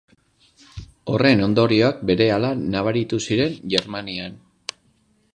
Horren ondorioak berehala nabaritu ziren Germanian.